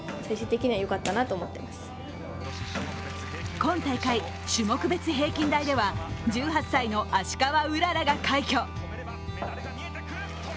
今大会、種目別・平均台では１８歳の芦川うららが快挙。